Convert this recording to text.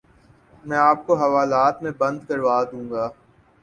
میں آپ کو حوالات میں بند کروا دوں گا